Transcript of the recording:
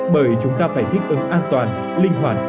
bởi chúng ta phải thích ứng an toàn linh hoạt